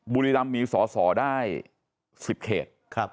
บุรีรำมีสอสอได้๑๐เขต